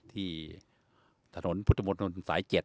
ที่ถนนพุทธมตร์ถนนสาย๗